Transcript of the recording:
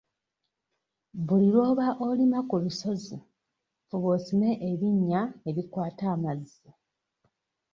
Buli lw'oba olima ku lusozi fuba osime ebinnya ebikwata amazzi.